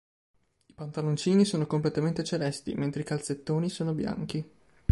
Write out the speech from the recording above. I pantaloncini sono completamente celesti, mentre i calzettoni sono bianchi.